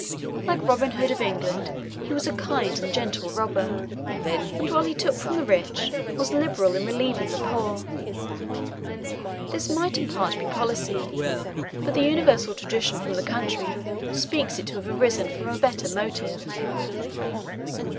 Like Robin Hood of England, he was a kind and gentle robber, and, while he took from the rich, was liberal in relieving the poor. This might in part be policy; but the universal tradition of the country speaks it to have arisen from a better motive.